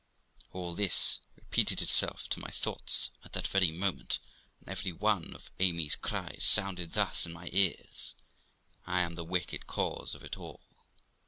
All this repeated itself to my thoughts at that very moment, and every one of Amy's cries sounded thus in my ears: 'I am the wicked cause of it all!